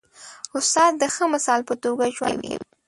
استاد د ښه مثال په توګه ژوند کوي.